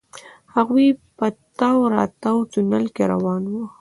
هغوئ په تاو راتاو تونل کې روان وو.